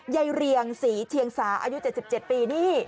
เรียงศรีเชียงสาอายุ๗๗ปีนี่